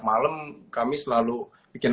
malam kami selalu bikin